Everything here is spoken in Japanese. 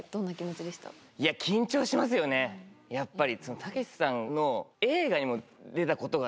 やっぱり。